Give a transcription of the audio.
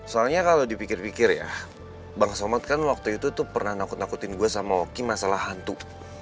soalnya kalau dipikir pikir ya bang somad kan waktu itu tuh pernah nakut nakutin gue sama oki masalah hantu